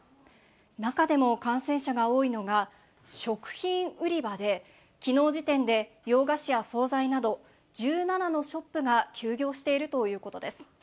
中でも感染者が多いのが、食品売り場で、きのう時点で洋菓子や総菜など、１７のショップが休業しているということです。